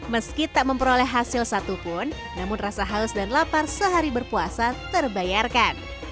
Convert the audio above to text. meski tak memperoleh hasil satu pun namun rasa halus dan lapar sehari berpuasa terbayarkan